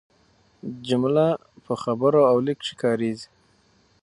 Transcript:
جمله په خبرو او لیک کښي کاریږي.